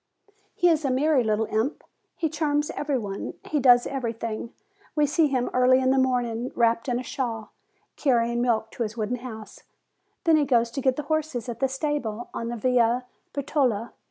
He is a merry little imp. He charms every one. He does everything. We see him early in the morning, wrapped in a shawl, carrying milk to his wooden house; then he goes to get the horses at the stable on the Via Bertola.